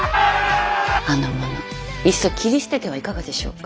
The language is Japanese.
あの者いっそ切り捨ててはいかがでしょうか。